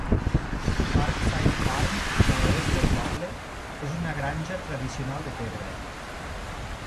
Parkside Farm, a l'oest del poble, és una granja tradicional de pedra.